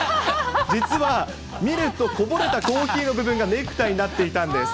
実は、見ると、こぼれたコーヒーの部分がネクタイになっていたんです。